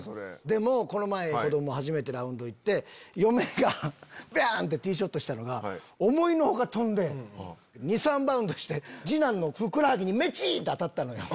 でもこの前子供初めてラウンド行って嫁がバン！ってティーショットしたのが思いの外飛んで２３バウンドして次男のふくらはぎに当たったのよ。